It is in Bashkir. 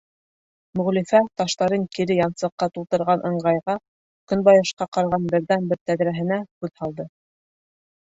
Мөғлифә таштарын кире янсыҡҡа тултырған ыңғайға көнбайышҡа ҡараған берҙән-бер тәҙрәһенә күҙ һалды: